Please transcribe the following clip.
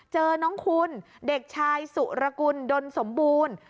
เจอน้องคุณเด็กชายสุรกุลดลสมบูรณ์